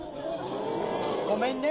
ごめんね。